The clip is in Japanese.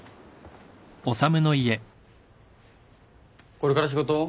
これから仕事？